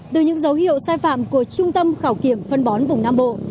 từ những dấu hiệu sai phạm của trung tâm khảo kiểm phân bón vùng nam bộ